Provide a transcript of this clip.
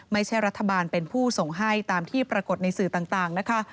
ไม่ใช่รัฐบาลเป็นผู้ส่งให้ตามที่ปรากฏในสื่อต่างนะคะ